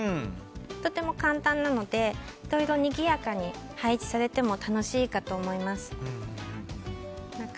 とても簡単なのでいろいろ、にぎやかに配置されても楽しいかと思います。